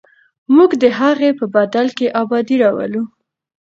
موږ به د هغې په بدل کې ابادي راولو.